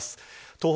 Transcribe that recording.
東北